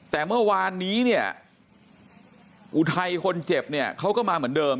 แต่เมื่อวานนี้เนี่ยอุทัยคนเจ็บเนี่ยเขาก็มาเหมือนเดิม